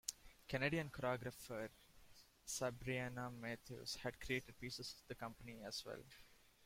Canadian choreographer Sabrina Matthews has created pieces the company as well.